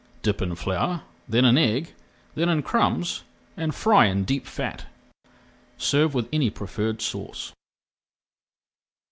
Dip in flour, then in egg, then in crumbs, and fry in deep fat. Serve with any preferred sauce.